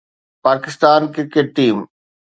Pakistan cricket team